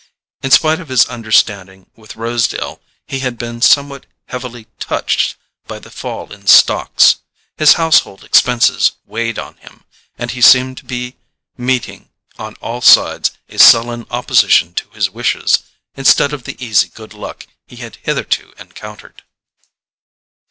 In spite of his understanding with Rosedale he had been somewhat heavily "touched" by the fall in stocks; his household expenses weighed on him, and he seemed to be meeting, on all sides, a sullen opposition to his wishes, instead of the easy good luck he had hitherto encountered.